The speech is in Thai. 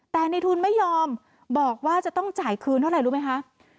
แต่ในทุนไม่ยอมบอกว่าจะต้องจ่ายคืนเท่าไหร่รู้ไหมคะ